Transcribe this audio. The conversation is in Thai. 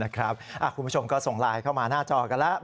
คุณผู้ชมก็ส่งไลน์เข้ามาหน้าจอกันแล้ว